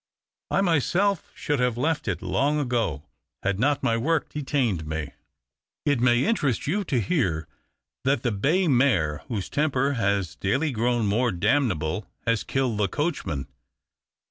I myself should have left it long ago had not my work detained me. 220 THE OCTAVE OP CLAUDIUS. " It may interest you to hear that the bay mare, whose temper has daily grown more damnable, has killed the coachman.